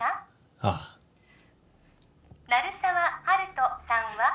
ああ鳴沢温人さんは？